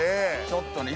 ちょっとね。